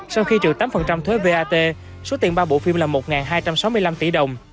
sau khi trừ tám thuế vat số tiền ba bộ phim là một hai trăm sáu mươi năm tỷ đồng